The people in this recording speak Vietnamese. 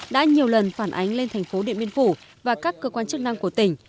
đã nhiều lần phản ánh lên thành phố điện biên phủ và các cơ quan chức năng của tỉnh